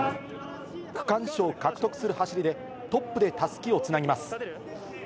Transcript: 区間賞を獲得する走りで、トップでたすきをつなぎます。